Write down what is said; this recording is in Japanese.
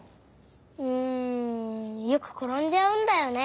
うんよくころんじゃうんだよね。